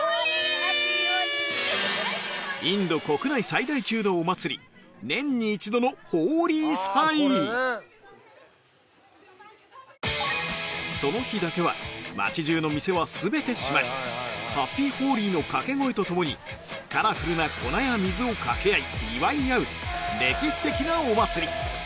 インド国内最大級のお祭り年に一度のその日だけは街中の店は全て閉まり「ＨＡＰＰＹＨＯＬＩ」のかけ声とともにカラフルな粉や水をかけ合い祝い合う歴史的なお祭り